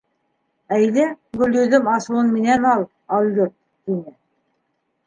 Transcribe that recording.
— Әйҙә, Гөлйөҙөм асыуын минән ал, алйот! — тине.